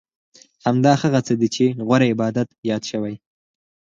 همدا هغه څه دي چې غوره عبادت یاد شوی.